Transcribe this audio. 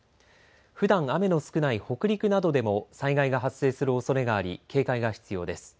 ふだん雨の少ない北陸などでも災害が発生するおそれがあり警戒が必要です。